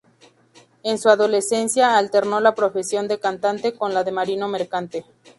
En su adolescencia, alternó la profesión de cantante con la de marino mercante.